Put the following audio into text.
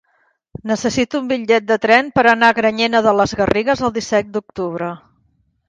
Necessito un bitllet de tren per anar a Granyena de les Garrigues el disset d'octubre.